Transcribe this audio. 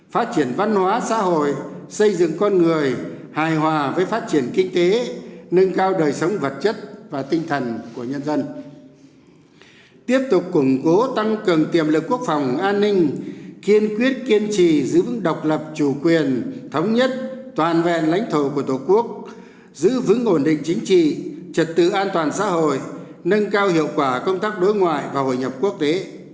phát triển văn hóa xã hội xây dựng con người hài hòa với phát triển kinh tế nâng cao đời sống vật chất và tinh thần của nhân dân tiếp tục củng cố tăng cường tiềm lực quốc phòng an ninh kiên quyết kiên trì giữ vững độc lập chủ quyền thống nhất toàn vẹn lãnh thổ của tổ quốc giữ vững ổn định chính trị trật tự an toàn xã hội nâng cao hiệu quả công tác đối ngoại và hội nhập quốc tế